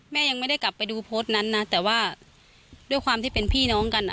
ยังไม่ได้กลับไปดูโพสต์นั้นนะแต่ว่าด้วยความที่เป็นพี่น้องกันอ่ะ